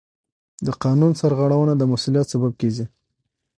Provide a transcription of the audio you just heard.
د قانون سرغړونه د مسؤلیت سبب کېږي.